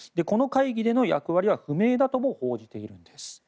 この会議での役割は不明だとも報じているんです。